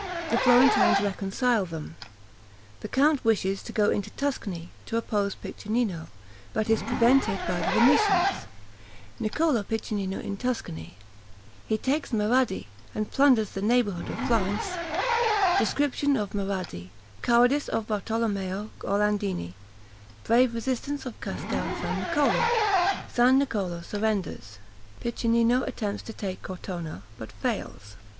The Florentines reconcile them The count wishes to go into Tuscany to oppose Piccinino, but is prevented by the Venetians Niccolo Piccinino in Tuscany He takes Marradi, and plunders the neighborhood of Florence Description of Marradi Cowardice of Bartolomeo Orlandini Brave resistance of Castel San Niccolo San Niccolo surrenders Piccinino attempts to take Cortona, but fails.